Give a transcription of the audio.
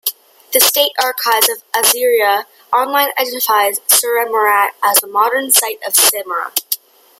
The State Archives of Assyria Online identifies "Surimarrat" as the modern site of Samarra.